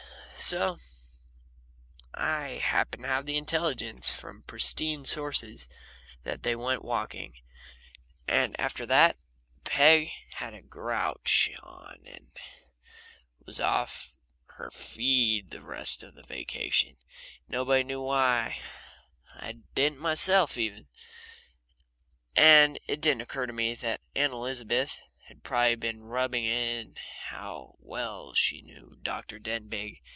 So I happened to have intelligence from pristine sources that they went walking. And after that Peg had a grouch on and was off her feed the rest of the vacation nobody knew why I didn't myself, even, and it didn't occur to me that Aunt Elizabeth had probably been rubbing it in how well she knew Dr. Denbigh.